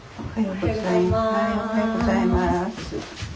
おはようございます。